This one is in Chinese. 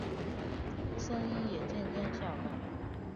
声音也渐渐小了